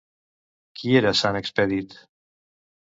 Qui era sant Expedit?